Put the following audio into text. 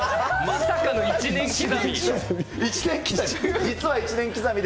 まさかの１年刻み。